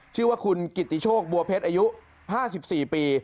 ชื่อว่าคุณกิติโชคบัวเพชรอายุ๕๔ปี